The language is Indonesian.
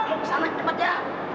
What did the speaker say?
ke sana cepet ya